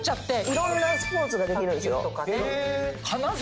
いろんなスポーツができるんですよ。